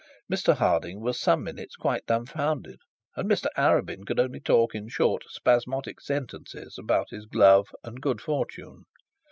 Mr Harding was some minutes quite dumbfounded, and Mr Arabin could only talk in short, spasmodic sentences about his love and good fortune.